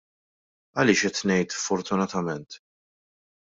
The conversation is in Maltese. Għaliex qed ngħid " fortunatament "?